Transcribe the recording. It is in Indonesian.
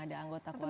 ada anggota keluarga